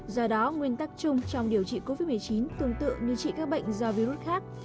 do đó nguyên tắc chung trong điều trị covid một mươi chín tương tự như trị các bệnh do virus khác